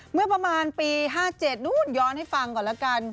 เมื่อประมาณปี๕๗นู้นย้อนให้ฟังก่อนแล้วกัน